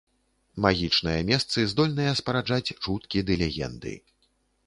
Магічныя месцы здольныя спараджаць чуткі ды легенды.